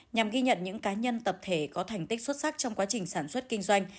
nhằm ghi nhận những cá nhân tập thể có thành tích xuất sắc trong quá trình sản xuất kinh doanh